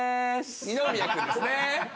二宮君ですね。